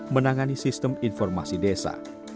menangani sistem informasi desa